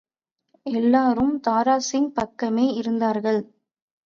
எல்லோரும் தாராசிங் பக்கமே இருந்தார்கள்.